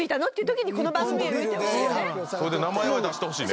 名前は出してほしいね。